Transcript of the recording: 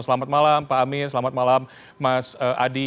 selamat malam pak amin selamat malam mas adi